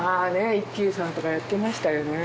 「一休さん」とかやってましたよね